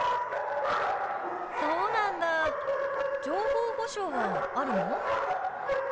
そうなんだ情報保障はあるの？